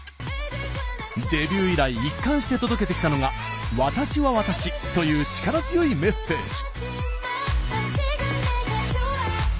デビュー以来一貫して届けてきたのが「私は私」という力強いメッセージ。